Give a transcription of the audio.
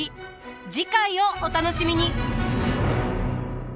次回をお楽しみに。